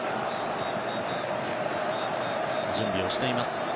準備をしています。